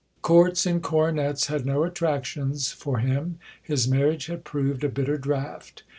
Courts and coronets had no attractions for him. His marriage had proved a bitter draught.